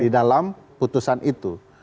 di dalam putusan itu